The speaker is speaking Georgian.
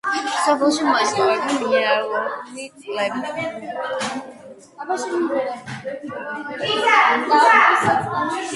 სოფელში მოიპოვება მინერალური წყლები.